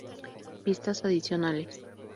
Pistas adicionales